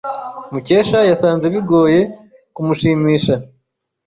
Mukesha yasanze bigoye kumushimisha.